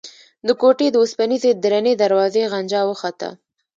د کوټې د اوسپنيزې درنې دروازې غنجا وخته.